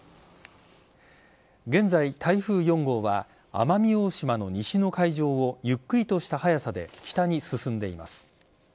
現在、台風４号は奄美大島の西の海上をゆっくりとした速さで北に進んでいます。